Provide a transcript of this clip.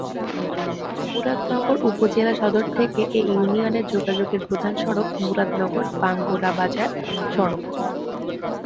মুরাদনগর উপজেলা সদর থেকে এ ইউনিয়নে যোগাযোগের প্রধান সড়ক মুরাদনগর-বাঙ্গরাবাজার সড়ক।